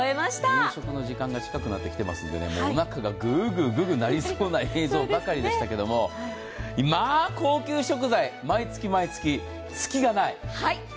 夕食の時間が近くなってきていますので、おなかがぐーぐーなりそうなものばかりでしたけどまあ、高級食材、毎月毎月隙がない。